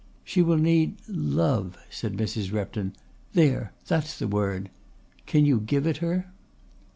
"She will need love," said Mrs. Repton. "There that's the word. Can you give it her?"